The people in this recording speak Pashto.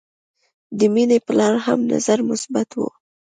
د مینې پلار هم نظر مثبت و